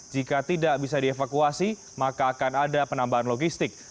jika tidak bisa dievakuasi maka akan ada penambahan logistik